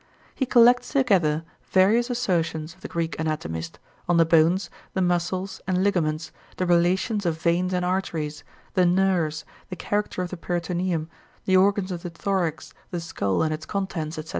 He collects together various assertions of the Greek anatomist, on the bones, the muscles and ligaments, the relations of veins and arteries, the nerves, the character of the peritoneum, the organs of the thorax, the skull and its contents, etc.